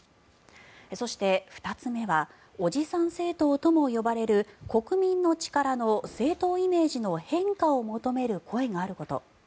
そして、２つ目はおじさん政党とも呼ばれる国民の力の政党イメージの変化を求める声があること。